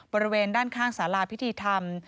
บริเวณด้านข้างสาราพิธีธรรม